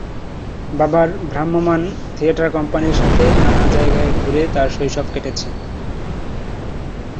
বাবার ভ্রাম্যমাণ থিয়েটার কোম্পানির সাথে নানা জায়গা ঘুরে তার শৈশব কেটেছে।